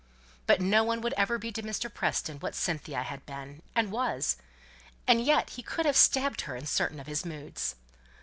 But no one would ever be to Mr. Preston what Cynthia had been, and was; and yet he could have stabbed her in certain of his moods.